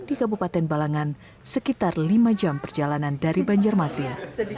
di kabupaten balangan sekitar lima jam perjalanan dari banjarmasin